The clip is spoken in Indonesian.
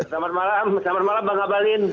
selamat malam selamat malam bang abalin